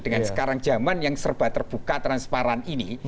dengan sekarang zaman yang serba terbuka transparan ini